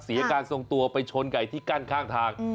เสียการทรงตัวไปชนไก่ที่กั้นข้างทาง